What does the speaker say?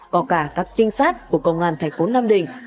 có cả các trinh sát của công an thành phố nam định